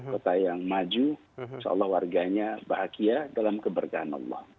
kota yang maju insya allah warganya bahagia dalam keberkahan allah